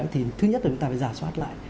thứ nhất là chúng ta phải giả soát lại